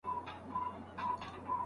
ښځه د کوټې کړکۍ خلاصه کړه.